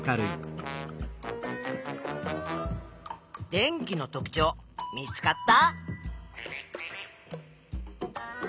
電気の特ちょう見つかった？